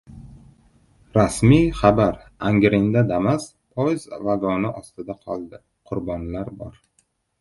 Rasmiy xabar: Angrenda «Damas» poyezd vagoni ostida qoldi. Qurbonlar bor